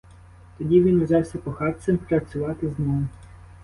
Тоді він узявся похапцем працювати знову.